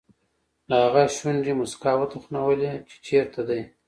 د هغه شونډې موسکا وتخنولې چې چېرته دی.